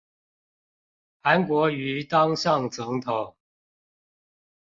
韓國瑜當上總統